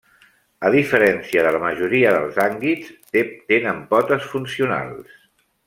A diferència de la majoria dels ànguids, tenen potes funcionals.